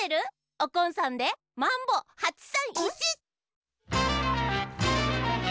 おこんさんで「マンボ８３１」！